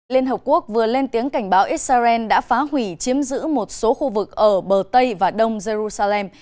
liên hợp quốc vừa lên tiếng cảnh báo israel đã phá hủy chiếm giữ một số khu vực ở bờ tây và đông jerusalem